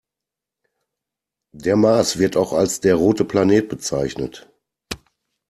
Der Mars wird auch als der „rote Planet“ bezeichnet.